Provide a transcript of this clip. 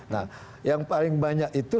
nah yang paling banyak itu